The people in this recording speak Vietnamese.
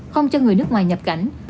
không cho người nước ngoài nhập cảnh